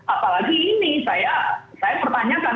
apalagi ini saya pertanyakan